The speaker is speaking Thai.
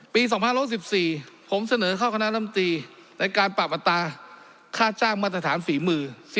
๒๑๔ผมเสนอเข้าคณะลำตีในการปรับอัตราค่าจ้างมาตรฐานฝีมือ